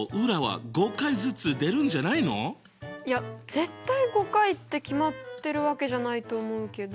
絶対５回って決まってるわけじゃないと思うけど。